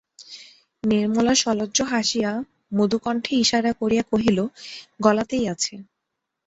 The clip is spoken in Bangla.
নির্মলা সলজ্জ হাসিয়া মুদুকণ্ঠে ইশারা করিয়া কহিল, গলাতেই আছে।